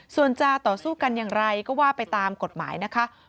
ส่วนจะต่อสู้กันอย่างไรก็ว่าไปตามกฎหมายนะคะ